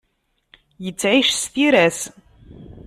Yettεic s tira-s.